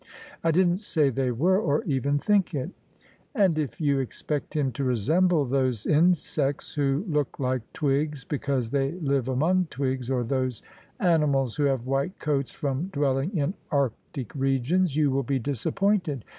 " I didn't say they were: or even think it." "And if you expect him to resemble those insects who look like twigs because they live among twigs, or those ani mals who have white coats from dwelling in Arctic regions, you will be disappointed.